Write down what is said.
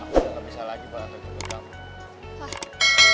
aku udah gak bisa lagi berantem dengan kamu